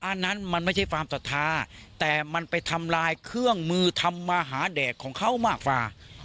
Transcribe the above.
อันนั้นมันไม่ใช่ความศรัทธาแต่มันไปทำลายเครื่องมือทำมาหาแดกของเขามากกว่า